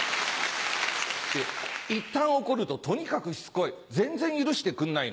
いったん怒るととにかくしつこい全然許してくんないの。